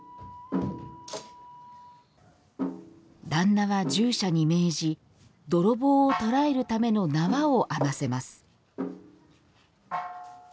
旦那は従者に命じ泥棒を捕らえるための縄を編ませます。